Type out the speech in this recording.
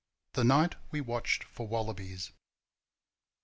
The Night We Watched For Wallabies.